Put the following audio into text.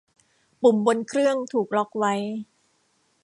ปุ่มบนเครื่องถูกล็อกไว้